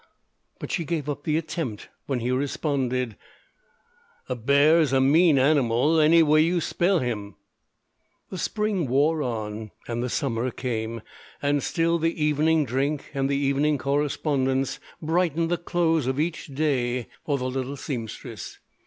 _ but she gave up the attempt when he responded: a bare is a mene animle any way you spel him The spring wore on, and the summer came, and still the evening drink and the evening correspondence brightened the close of each day for the little seamstress.